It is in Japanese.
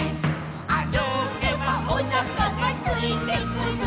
「あるけばおなかがすいてくる」